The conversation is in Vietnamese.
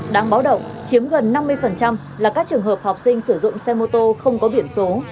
đáng báo động chiếm gần năm mươi là các trường hợp học sinh sử dụng xe mô tô không có biển số